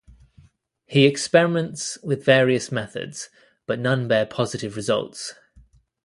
He experiments with various methods, but none bear positive results.